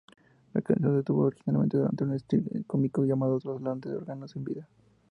La canción debutó originalmente durante un sketch cómico llamado "Trasplantes de órganos en vida".